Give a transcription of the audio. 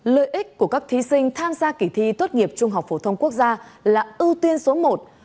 lợi ích của các thí sinh tham gia kỳ thi tốt nghiệp trung học phổ thông quốc gia là ưu tiên số một